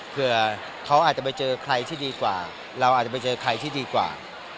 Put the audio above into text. เผื่อเขาอาจจะไปเจอใครที่ดีกว่าเราอาจจะไปเจอใครที่ดีกว่า